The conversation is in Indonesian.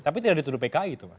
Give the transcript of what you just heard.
tapi tidak dituduh pki itu pak